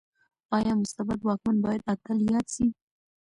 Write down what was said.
ايا مستبد واکمن بايد اتل ياد شي؟